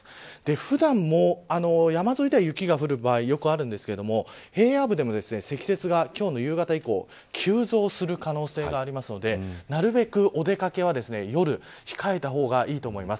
ふだんも山沿いでは雪が降る場合よくあるんですが平野部でも積雪が今日の夕方以降急増する可能性があるのでなるべくお出掛けは夜控えた方がいいと思います。